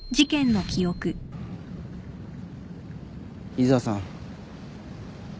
井沢さん